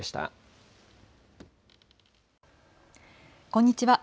こんにちは。